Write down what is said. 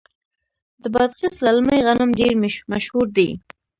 د بادغیس للمي غنم ډیر مشهور دي.